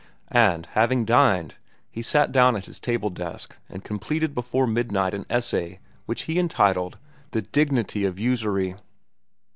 And having dined, he sat down at his table desk and completed before midnight an essay which he entitled "The Dignity of Usury."